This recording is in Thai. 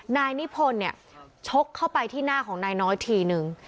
นายนิพนธ์เนี่ยชกเข้าไปที่หน้าของนายน้อยทีนึง